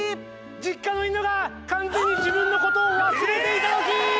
実家の犬が完全に自分の事を忘れていたときー。